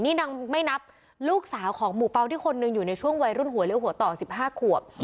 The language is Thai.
นี่นางไม่นับลูกสาวของหมู่เปล่าที่คนหนึ่งอยู่ในช่วงวัยรุ่นหัวเลี้ยหัวต่อ๑๕ขวบ